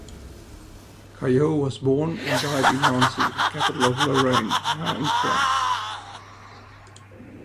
Callot was born and died in Nancy, the capital of Lorraine, now in France.